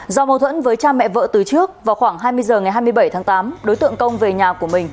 do mâu thuẫn với cha mẹ vợ từ trước vào khoảng hai mươi h ngày hai mươi bảy tháng tám đối tượng công về nhà của mình